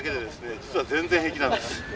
実は全然平気なんです。